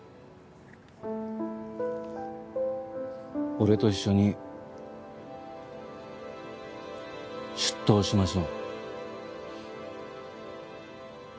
俺と一緒に出頭しましょう。